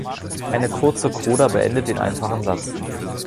Eine kurze Coda beendet den einfachen Satz.